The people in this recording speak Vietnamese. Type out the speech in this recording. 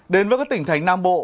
đến với các tỉnh thành nam bộ